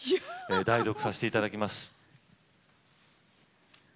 代読させていただきます。